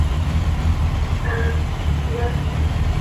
কি আর করার?